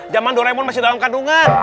zaman doremon masih dalam kandungan